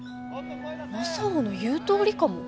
正男の言うとおりかも。